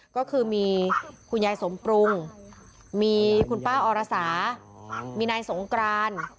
ก็คือมีคุณยายสมปรุงมีคุณป้าอรสามีนายสงกราน